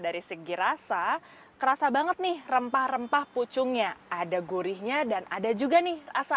dari segi rasa kerasa banget nih rempah rempah pucungnya ada gurihnya dan ada juga nih rasa